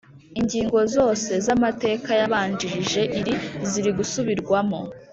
Ingingo zose z’ Amateka yabanjirije iri ziri gusubirwamo